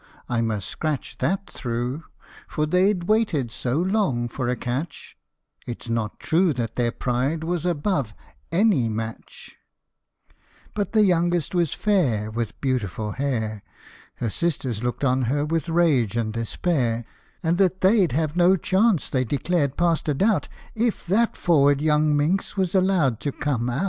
I must scratch That through. For they 'd waited so long for a catch, It 's not true that their pride was above any match) But the youngest was fair, with beautiful hair ; Her sisters looked on her with rage and despair ; And that they 'd have no chance they declared past a doubt, If that " forward young minx " was allowed to " come out."